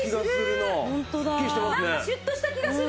なんかシュッとした気がする。